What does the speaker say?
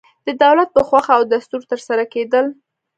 د دولت په خوښه او دستور ترسره کېدل.